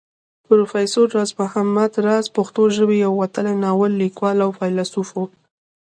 پروفېسر راز محمد راز د پښتو ژبې يو وتلی ناول ليکوال او فيلسوف وو